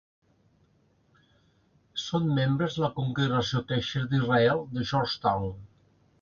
Són membres de la Congregació Kesher d'Israel de Georgetown.